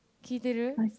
聴いてる。